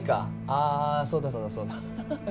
ああそうだそうだそうだ。